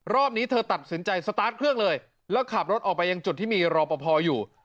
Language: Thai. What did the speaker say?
นี้เธอตัดสินใจสตาร์ทเครื่องเลยแล้วขับรถออกไปยังจุดที่มีรอปภอยู่